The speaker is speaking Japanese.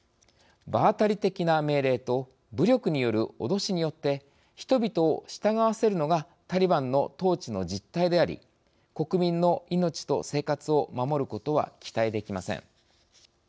場当たり的な命令と武力による脅しによって人々を従わせるのがタリバンの統治の実態であり国民の命と生活を守ることは期待できません。